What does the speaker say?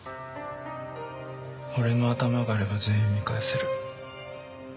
俺の頭があれば全員見返せる。